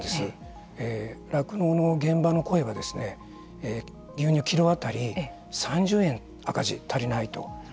酪農の現場の声は牛乳キロ当たり３０円赤字足りないと。